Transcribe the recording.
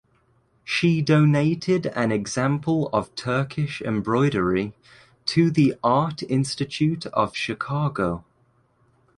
She donated an example of Turkish embroidery to the Art Institute of Chicago.